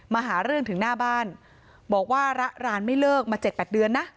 มาหาเรื่องถึงหน้าบ้านบอกว่าระรานไม่เลิกมา๗๘เดือนนะ